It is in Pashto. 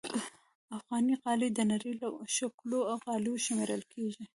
افغاني غالۍ د نړۍ له ښکلو غالیو شمېرل کېږي.